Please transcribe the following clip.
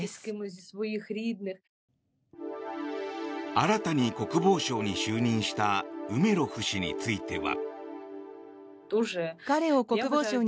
新たに国防相に就任したウメロフ氏については。